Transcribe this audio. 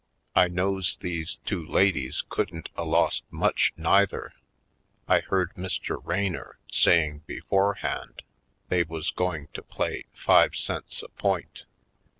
I knows these two ladies couldn't a lost much neither — I heard Mr. Raynor saying beforehand they was going to play five cents a point.